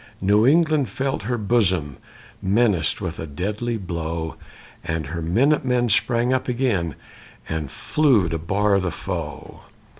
New England felt her bosom Menaced with deadly blow, And her minute men sprang up again And flew to bar the foe.